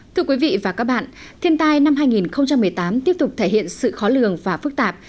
thưa quý vị và các bạn thiên tai năm hai nghìn một mươi tám tiếp tục thể hiện sự khó lường và phức tạp